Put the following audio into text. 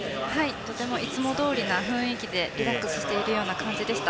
とてもいつもどおりな雰囲気でリラックスしているような感じでした。